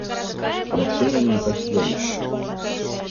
Но все на ней так и горит.